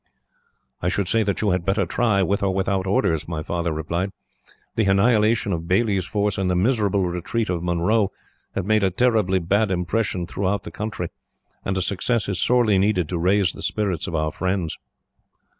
"'I should say that you had better try, with or without orders,' my father replied. 'The annihilation of Baillie's force, and the miserable retreat of Munro, have made a terribly bad impression through the country, and a success is sorely needed to raise the spirits of our friends.'